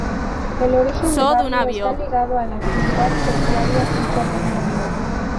El origen del barrio está ligado a la actividad portuaria y ferroviaria.